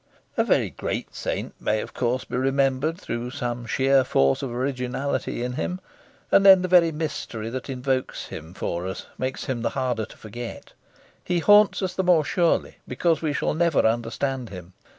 A very great saint may, of course, be remembered through some sheer force of originality in him; and then the very mystery that involves him for us makes him the harder to forget: he haunts us the more surely because we shall never understand him.